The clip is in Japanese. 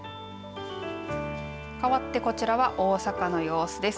かわってこちらは大阪の様子です。